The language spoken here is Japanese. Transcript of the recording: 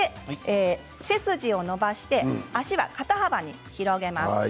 背筋を伸ばして足は肩幅に広げます。